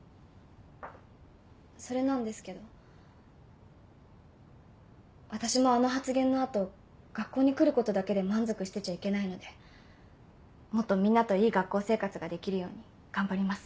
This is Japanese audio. それなんですけど私もあの発言の後学校に来ることだけで満足してちゃいけないのでもっとみんなといい学校生活ができるように頑張ります。